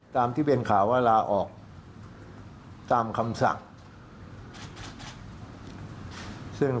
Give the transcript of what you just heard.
ตามที่เป็นข่าวว่าลาออกตามคำสั่ง